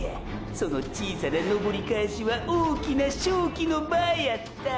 その小さな登り返しは大きな勝機の場やった！！